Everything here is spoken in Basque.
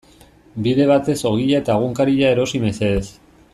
Bide batez ogia eta egunkaria erosi mesedez.